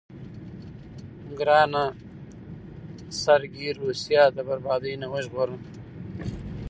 ګرانه سرګي روسيه د بربادۍ نه وژغوره.